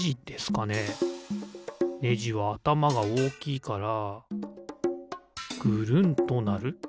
ネジはあたまがおおきいからぐるんとなる。